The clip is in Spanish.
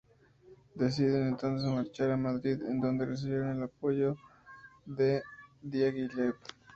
Deciden entonces marchar a Madrid, en donde recibieron el apoyo de Diaghilev.